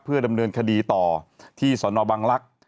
ดำเนินคดีต่อที่สนบังลักษณ์